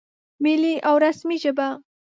ملي او رسمي ژبه